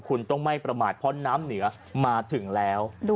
คุณต้องไม่ประมาทเพราะน้ำเหนือมาถึงแล้ว